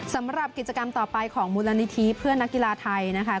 สำหรับกิจกรรมต่อไปของมูลนิธิเพื่อนนักกีฬาไทยนะคะ